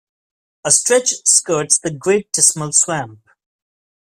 A stretch skirts the Great Dismal Swamp.